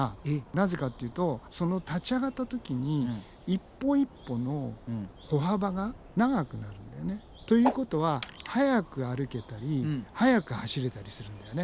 なぜかっていうとその立ち上がった時に一歩一歩の歩幅が長くなるんだよね。ということは速く歩けたり速く走れたりするんだよね。